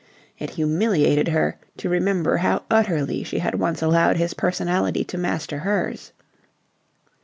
It humiliated her to remember how utterly she had once allowed his personality to master hers.